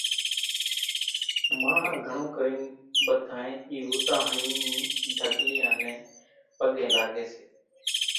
ماڻۿان گھڻو ڪرين ٻڌانئين اِي ھوتاۿڻي ني ڍڳليان نين پڳين لاڳي سي